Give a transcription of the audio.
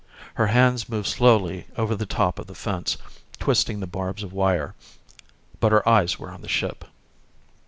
Her hands moved slowly over the top of the fence, twisting the barbs of wire. But her eyes were on the ship.